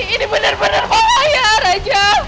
ini benar benar bahaya raja